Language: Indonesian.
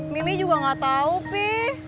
mimi juga gak tau pi